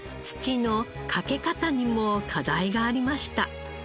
土のかけ方にも課題がありました。